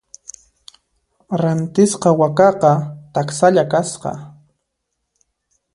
Rantisqa wakaqa taksalla kasqa.